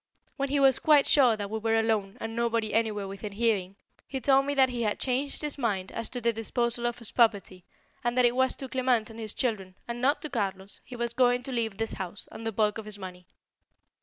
When he was quite sure that we were alone and nobody anywhere within hearing, he told me that he had changed his mind as to the disposal of his property and that it was to Clement and his children, and not to Carlos, he was going to leave this house and the bulk of his money.